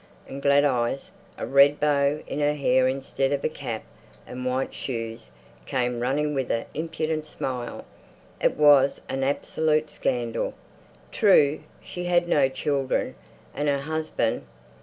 And Glad eyes, a red bow in her hair instead of a cap, and white shoes, came running with an impudent smile. It was an absolute scandal! True, she had no children, and her husband....